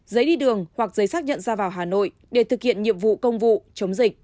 giấy đi đường hoặc giấy xác nhận ra vào hà nội để thực hiện nhiệm vụ công vụ chống dịch